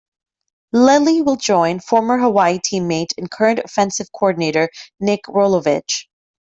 Lelie will join former Hawaii teammate and current offensive coordinator Nick Rolovich.